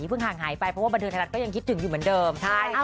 ห่างหายไปเพราะว่าบันเทิงไทยรัฐก็ยังคิดถึงอยู่เหมือนเดิม